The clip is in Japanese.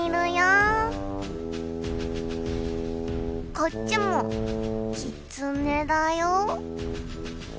こっちもきつねだよ。